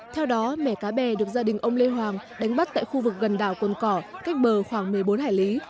theo đó mẻ cá bè được gia đình ông lê hoàng đánh bắt tại khu vực gần đảo cồn cỏ cách bờ khoảng một mươi bốn hải lý